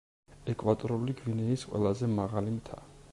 ეკვატორული გვინეის ყველაზე მაღალი მთა.